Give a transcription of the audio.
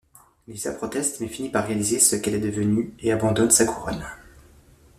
Lisa proteste mais finit par réaliser ce qu'elle est devenue et abandonne sa couronne.